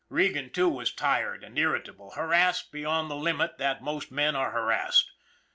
Regan, too, was tired and irritable, harassed beyond the limit that most men are harassed.